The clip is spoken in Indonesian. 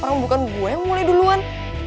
orang bukan gue yang mulai duluan